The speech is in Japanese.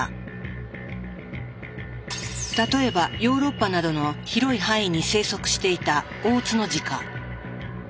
例えばヨーロッパなどの広い範囲に生息していたオオツノジカ。